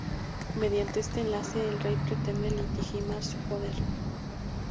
Mediante este enlace el rey pretende legitimar su poder.